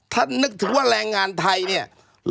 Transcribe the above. ถ้านึกถึงว่าแรงงานไทยเนี่ย